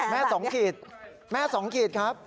แม่สองขีดแม่สองขีดครับ